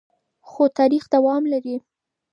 خو تاریخ دوام لري.